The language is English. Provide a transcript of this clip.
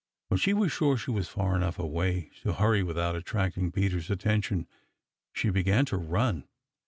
When she was sure she was far enough away to hurry without attracting Peter's attention, she began to run.